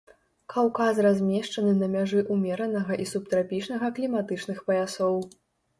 Каўказ размешчаны на мяжы ўмеранага і субтрапічнага кліматычных паясоў.